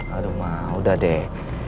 aduh ma udah deh